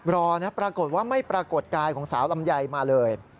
รอนะปรากฏว่าไม่ปรากฏกายของสาวลำไยมาเลย